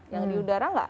yang di udara enggak